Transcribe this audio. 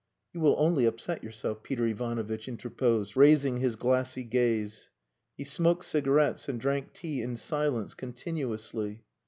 "You will only upset yourself," Peter Ivanovitch interposed, raising his glassy gaze. He smoked cigarettes and drank tea in silence, continuously.